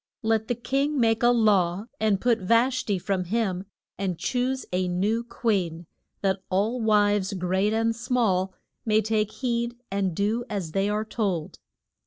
Let the king make a law and put Vash ti from him and choose a new queen, that all wives, great and small, may take heed and do as they are told.